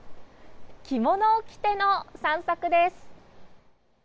着物を着ての散策です。